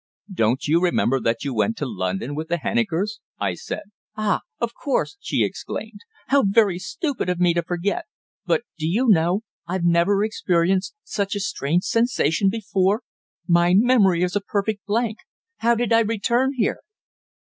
"Don't you remember that you went to London with the Hennikers?" I said. "Ah! of course!" she exclaimed. "How very stupid of me to forget. But do you know, I've never experienced such a strange sensation before. My memory is a perfect blank. How did I return here?"